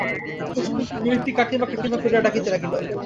মেয়েটি কাকীমা কাকীমা করিয়া ডাকিতে লাগিল।